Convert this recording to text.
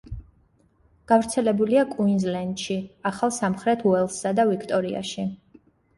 გავრცელებულია კუინზლენდში, ახალ სამხრეთ უელსსა და ვიქტორიაში.